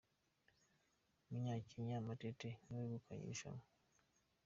Umunyakenya Matete niwe wegukanye irushanwa